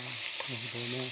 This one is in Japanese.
なるほどね。